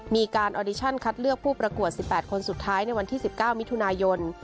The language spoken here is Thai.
มีการออดิชั่นคัดเลือกผู้ประกวด๑๘คนสุดท้ายในวันที่๑๙มิถุนายน